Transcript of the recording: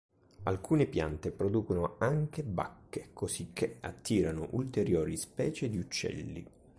Alcune piante producono anche bacche, cosicché attirano ulteriori specie di uccelli.